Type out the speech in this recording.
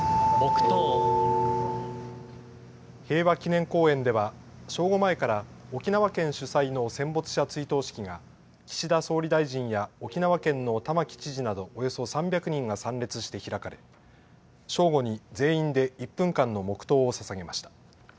平和祈念公園では正午前から沖縄県主催の戦没者追悼式が岸田総理大臣や沖縄県の玉城知事などおよそ３００人が参列して開かれ、正午に全員で１分間の黙とうをささげました。